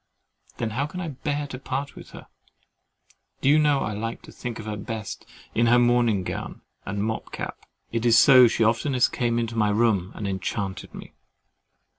Then how can I bear to part with her? Do you know I like to think of her best in her morning gown and mob cap—it is so she has oftenest come into my room and enchanted me!